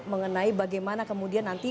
mengenai bagaimana kemudian nanti